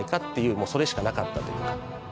もうそれしかなかったというか。